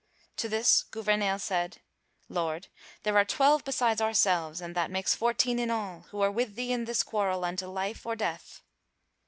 To this Gouvernail said: "Lord, there are twelve besides ourselves, and that makes fourteen in all who are with thee in this quarrel unto life or death."